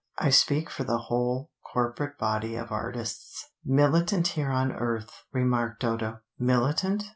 I speak for the whole corporate body of artists." "Militant here on earth," remarked Dodo. "Militant?